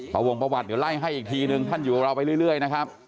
ประวงประวัติเดี๋ยวไล่ให้อีกทีนึงท่านอยู่กับเราไปเรื่อยนะครับ